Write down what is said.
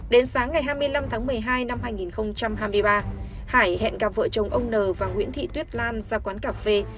đến sáng ngày hai mươi năm tháng một mươi hai năm hai nghìn hai mươi ba hải hẹn gặp vợ chồng ông n và nguyễn thị tuyết lan ra quán cà phê